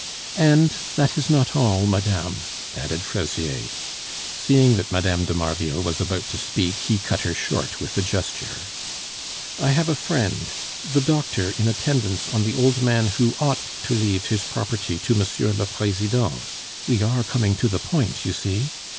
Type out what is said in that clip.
"And that is not all, madame," added Fraisier. Seeing that Mme. de Marville was about to speak, he cut her short with a gesture. "I have a friend, the doctor in attendance on the old man who ought to leave his property to M. le President. (We are coming to the point, you see.)